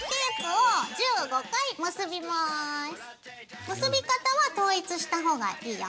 ではこっから結び方は統一した方がいいよ。